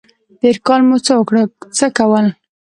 تېر کال مو څه کول؟